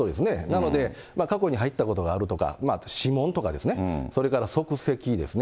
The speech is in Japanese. なので、過去に入ったことがあるとか、指紋とかですね、それから足跡ですね。